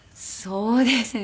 そうですね。